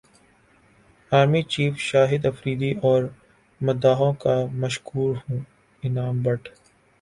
army چیفشاہد Afridi اور مداحوں کا مشکور ہوں انعام بٹ